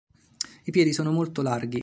I piedi sono molto larghi.